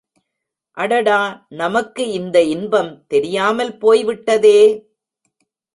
அடடா நமக்கு இந்த இன்பம் தெரியாமல் போய்விட்டதே!